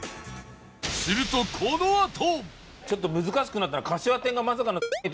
するとこのあと